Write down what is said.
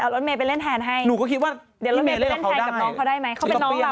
เอารถเมย์ไปเล่นแทนให้เดี๋ยวรถเมย์เล่นกับเขาได้ไหมพี่เมย์เล่นแทนกับน้องเขาได้ไหม